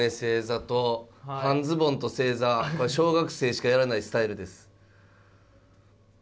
半ズボンと正座これ小学生しかやらないスタイルです。